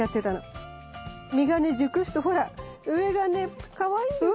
実がね熟すとほら上がねかわいいんですよ。